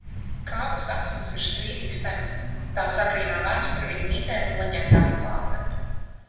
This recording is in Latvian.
Kaabas vecums ir strīdīgs temats, tās agrīnā vēsture ir mītiem un leģendām klāta.